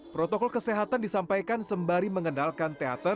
protokol kesehatan disampaikan sembari mengenalkan teater